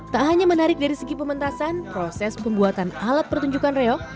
tak hanya menarik dari segi pementasan proses pembuatan alat pertunjukan reok